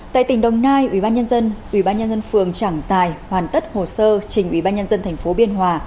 tại tỉnh đồng nai ủy ban nhân dân ủy ban nhân dân phường trảng giài hoàn tất hồ sơ trình ủy ban nhân dân tp biên hòa